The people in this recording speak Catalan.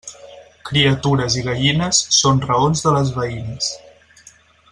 Criatures i gallines són raons de les veïnes.